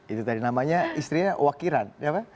itu tadi namanya istrinya wakilan